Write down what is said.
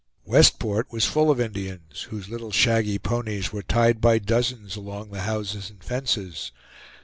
Westport was full of Indians, whose little shaggy ponies were tied by dozens along the houses and fences.